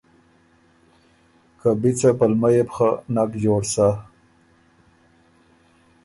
که بی څۀ پلمه يې بو خه نک جوړ سَۀ